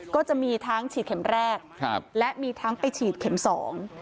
ก็จะมีทั้งฉีดเข็มแรกครับและมีทั้งไปฉีดเข็มสอง